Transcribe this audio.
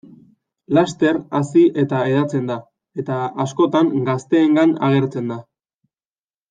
Laster hazi eta hedatzen da, eta, askotan, gazteengan agertzen da.